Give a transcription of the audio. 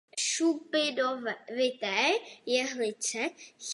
Šupinovité jehlice chybějí.